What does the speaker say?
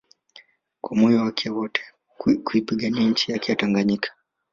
kwa moyo wake wote kuipigania nchi yake ya Tanganyika